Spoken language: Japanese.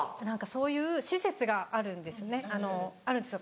そういう施設があるんですねあるんですよ